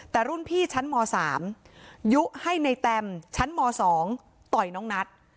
แต่รุ่นพี่ชั้นม๓ยุให้ในแตมชั้นม๒ต่อยน้องนัท